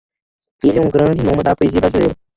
Ele é um grande noma da poesia brasileira.